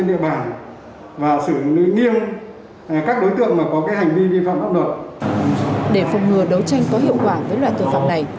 để phòng ngừa đấu tranh có hiệu quả với loại tội phạm này